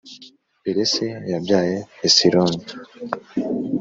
Peresi yabyaye Hesironi